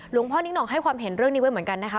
พ่อนิ้งห่องให้ความเห็นเรื่องนี้ไว้เหมือนกันนะคะ